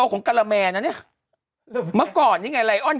กล้วยทอด๒๐๓๐บาท